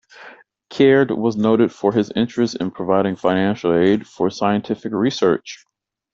Caird was noted for his interest in providing financial aid for scientific research.